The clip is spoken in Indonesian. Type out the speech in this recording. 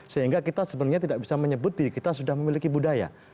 sehingga kita sebenarnya tidak bisa menyebut diri kita sudah memiliki budaya